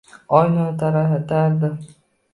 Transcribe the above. Oy nur taratardi.